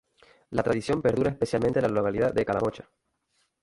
La tradición perdura especialmente en la localidad de Calamocha.